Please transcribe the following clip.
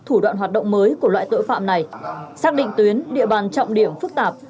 thủ đoạn hoạt động mới của loại tội phạm này xác định tuyến địa bàn trọng điểm phức tạp